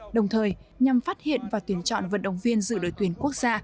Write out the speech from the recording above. đồng thời nhằm phát hiện và tuyển chọn vận động viên dự đội tuyển quốc gia